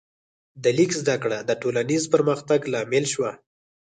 د لیک زده کړه د ټولنیز پرمختګ لامل شوه.